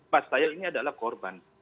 pas saya ini adalah korban